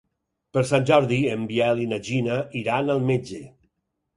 Per Sant Jordi en Biel i na Gina iran al metge.